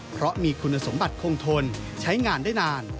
เพราะมีคุณสมบัติคงทนใช้งานได้นาน